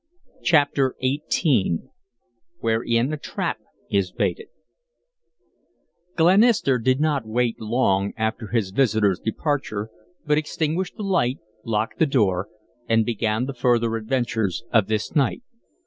CHAPTER XVIII WHEREIN A TRAP IS BAITED Glenister did not wait long after his visitor's departure, but extinguished the light, locked the door, and began the further adventures of this night.